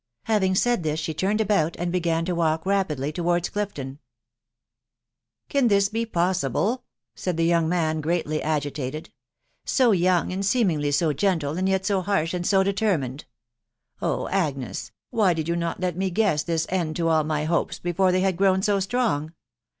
Having said this she turned a\io\xt, &^ \»%«a. \& ^rSs. rapidly towards Clifton. £68 THE WIDOW BARNABY. " Can this be possible ?". said the young man, greedy agitated ;" so young, and seemingly so gentle, and jet ■ harsh and so determined. Oh J A!gnes, why did you not let me guess this end to all my hopes before they had grown m .strong?